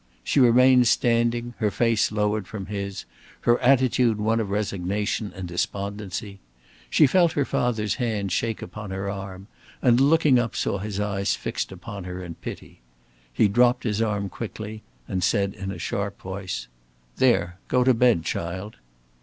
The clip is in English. She remained standing, her face lowered from his, her attitude one of resignation and despondency. She felt her father's hand shake upon her arm, and looking up saw his eyes fixed upon her in pity. He dropped her arm quickly, and said in a sharp voice: "There! Go to bed, child!"